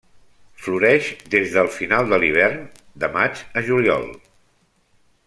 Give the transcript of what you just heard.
Floreix des del final de l'hivern, de maig a juliol.